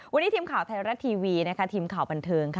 วันนี้ทีมข่าวไทยรัฐทีวีทีมข่าวบันเทิง